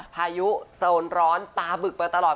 พายุโซนร้อนปลาบึกไปตลอด